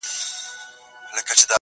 په غوټه سوه ور نیژدي د طوطي لورته!.